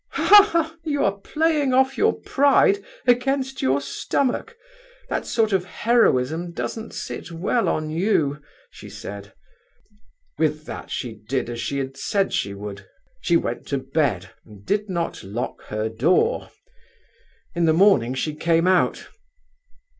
'Ha, ha! you are playing off your pride against your stomach! That sort of heroism doesn't sit well on you,' she said. "With that she did as she had said she would; she went to bed, and did not lock her door. In the morning she came out.